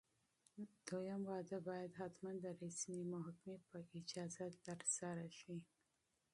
دویم واده باید حتماً د رسمي محکمې په اجازه ترسره شي.